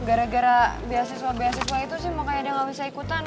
gara gara beasiswa beasiswa itu sih makanya dia gak bisa ikutan